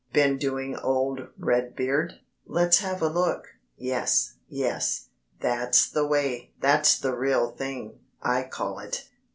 Been doing old Red Beard? Let's have a look. Yes, yes. That's the way that's the real thing I call it.